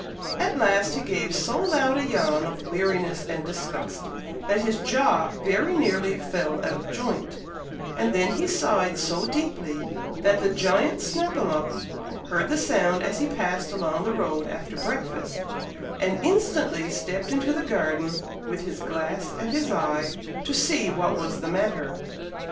At last he gave so loud a yawn of weariness and disgust, that his jaw very nearly fell out of joint, and then he sighed so deeply, that the giant Snap 'em up heard the sound as he passed along the road after breakfast, and instantly stepped into the garden, with his glass at his eye, to see what was the matter.